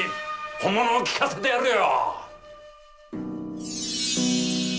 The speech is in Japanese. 本物を聞かせてやるよ！